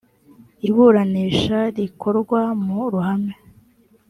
iburanisha rikorwa mu ruhame